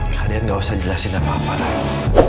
kalian nggak usah jelasin apa apa lagi